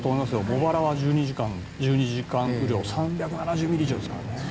茂原は１２時間雨量３７０ミリ以上ですからね。